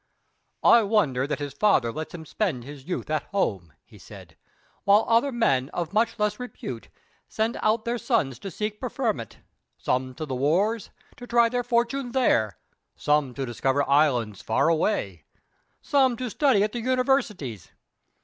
"I wonder that his father lets him spend his youth at home," he said, "while other men of much less repute send out their sons to seek preferment some to the wars, to try their fortune there; some to discover islands far away; some to study at the universities.